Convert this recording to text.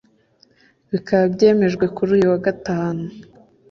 bikaba byemejwe kuri uyu wa gatanu